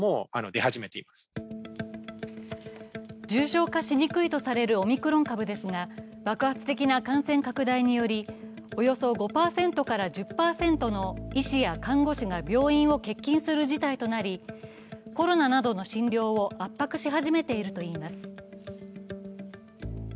重症化しにくいとされるオミクロン株ですが、爆発的な感染拡大によりおよそ５％から１０％の医師や看護師が病院を欠勤する事態となりコロナなどの診療を圧迫し始めているといいます。